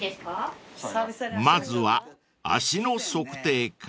［まずは足の測定から］